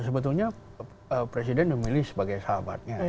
sebetulnya presiden memilih sebagai sahabatnya